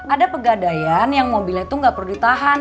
ada pegadaian yang mobilnya itu nggak perlu ditahan